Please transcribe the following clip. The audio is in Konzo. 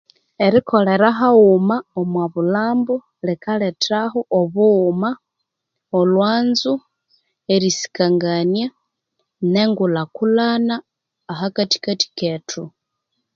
Erikolera haghuma omwa bulhambu likalethahu obughuma olhwanzo erisikangania ne ngulhakulhana ahakathikathi kethu